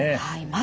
はい。